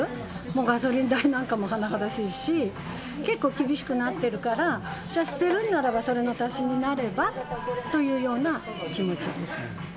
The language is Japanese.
もうガソリン代なんかも甚だしいし、結構厳しくなってるから、じゃあ、捨てるんならそれの足しになればという気持ちです。